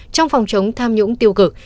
trong phòng chống tham nhũng tiêu cực